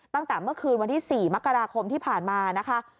ตั้งแต่เมื่อคืนวันที่๔มกราคมที่ผ่านมานะคะ